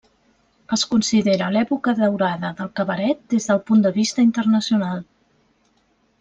Es considera l'època daurada del cabaret des del punt de vista internacional.